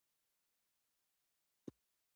بايد خبرې په ښه ډول ختمې کړي.